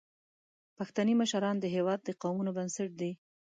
پښتني مشران د هیواد د قومونو بنسټ دي.